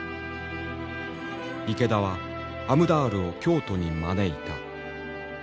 池田はアムダールを京都に招いた。